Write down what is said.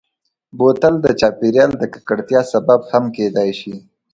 بوتل د چاپېریال د ککړتیا سبب هم کېدای شي.